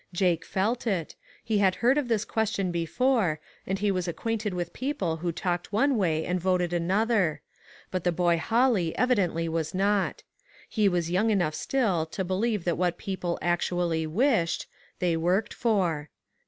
Jake felt it ; he had heard of this question before, and he was acquainted with people who talked one way and voted another; but the boy Holly evi dently was not. He was young enough still to believe that what people actually wished, they worked for.